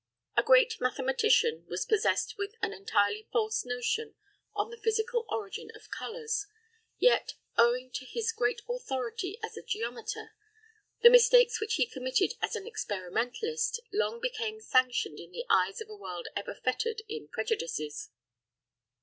A great mathematician was possessed with an entirely false notion on the physical origin of colours; yet, owing to his great authority as a geometer, the mistakes which he committed as an experimentalist long became sanctioned in the eyes of a world ever fettered in prejudices.